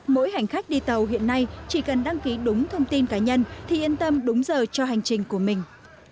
mỗi hành khách đi tàu hiện nay chỉ cần đăng ký đúng thông tin cá nhân thì yên tâm đúng giờ cho hành trình của mình